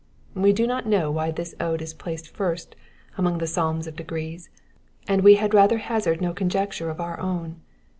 We do not know why this ode is placed first among the Psalms of Degrees, and u)e had rather hazard no oor^edwre <f our cwn.